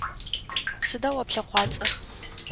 Сыда о плъэкъуацӏэр?